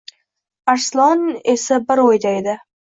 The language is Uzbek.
Arslon esa bir o‘yda edi